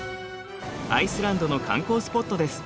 アイスランドの観光スポットです。